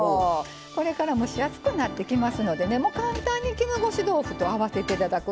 これから蒸し暑くなってきますので簡単に絹ごし豆腐と合わせていただく。